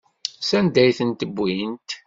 Sanda ay ten-wwint?